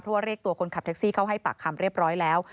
เพราะว่าเรียกตัวคนขับแท็กซี่เข้าให้ปากคำเรียบร้อยแล้ว